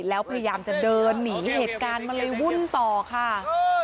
แล้วพยายามจะเดินหนีเหตุการณ์มันเลยวุ่นต่อค่ะ